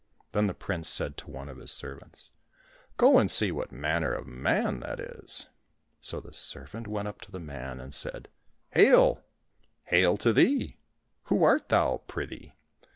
Then the prince said to one of his servants, " Go and see what manner of man that is !" So the servant went up to the man, and said, " Hail !'*" Hail to thee !"" Who art thou, pry thee